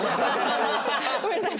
ごめんなさい。